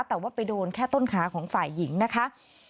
แต่ว่าไปโดนแค่ต้นขาของฝ่ายหญิงนะคะ